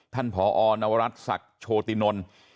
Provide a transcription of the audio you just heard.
ผอนวรัฐศักดิ์โชตินนท์